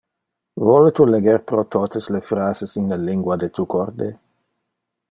Vole tu leger pro totes le phrases in le lingua de tu corde?